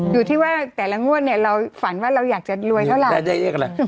อยู่ที่ว่าแต่ละงวดเนี่ยเราฝันว่าเราอยากจะลวยเท่าไหร่